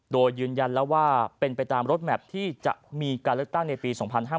โดยยืนยันแล้วว่าเป็นไปตามรถแมพที่จะมีการเลือกตั้งในปี๒๕๕๙